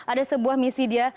ada sebuah misi dia